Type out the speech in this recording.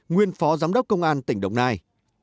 nguyên phó giám đốc công an tỉnh đồng nai